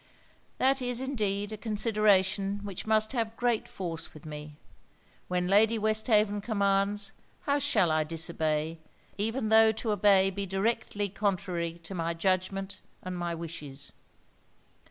'That is indeed a consideration which must have great force with me. When Lady Westhaven commands, how shall I disobey, even tho' to obey be directly contrary to my judgment and my wishes.'